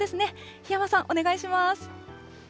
檜山さん、お願いします。